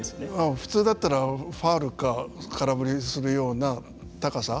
普通だったらファウルか空振りするような高さ。